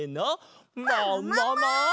ももも！